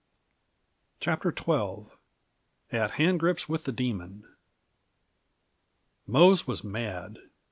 CHAPTER XII At Hand Grips with the Demon Mose was mad.